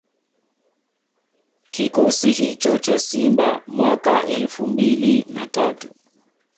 Kikosi hicho cha Simba mwaka elfu mbili na tatu